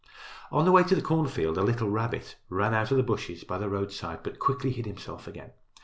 On the way to the cornfield a little rabbit ran out of the bushes by the roadside, but quickly hid himself again.